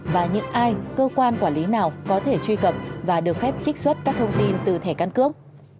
và những ai cơ quan quản lý nào có thể truy cập và được phép trích xuất các thông tin từ thẻ căn cước